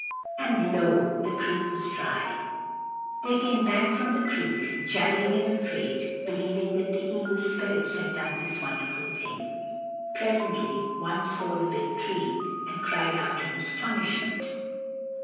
And lo ! the creek was dry ! They came back from the creek, jabbering and afraid, believing that the Evil Spirits had done this wonderful thing. Presently one saw the big tree, and cried out in astonishment.